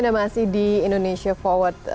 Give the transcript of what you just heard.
terima kasih anda mas idi indonesia forward